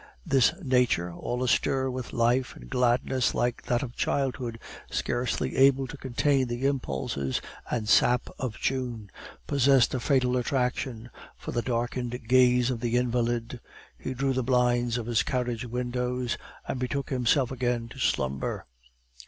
This nature, all astir with a life and gladness like that of childhood, scarcely able to contain the impulses and sap of June, possessed a fatal attraction for the darkened gaze of the invalid. He drew the blinds of his carriage windows, and betook himself again to slumber.